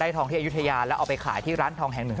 ทองที่อายุทยาแล้วเอาไปขายที่ร้านทองแห่งหนึ่ง